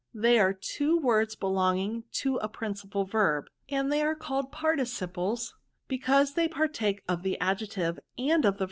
" They are two words belonging to a prin . cipal verb ; and are called participles, because they partake of the adjective and of the verb.